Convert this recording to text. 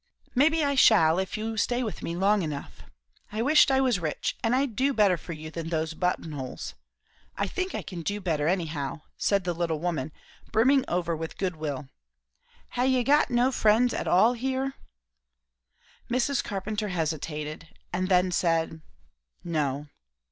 "Maybe I shall, if you stay with me long enough. I wisht I was rich, and I'd do better for you than those buttonholes. I think I can do better anyhow," said the little woman, brimming over with good will. "Ha' you got no friends at all here?" Mrs. Carpenter hesitated; and then said "no."